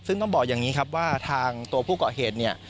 ซึ่งต้องบอกอย่างนี้ครับว่าทางตัวผู้เกาะเหตุเนี่ย